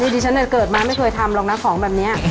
นี่ดิฉันเนี่ยเกิดมาไม่เคยทำลองนักของแบบเนี่ย